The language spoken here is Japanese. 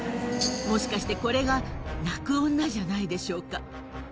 もしかしてこれが泣く女じゃないでしょうか。